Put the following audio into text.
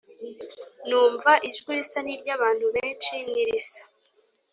Numva ijwi risa n iry abantu benshi n irisa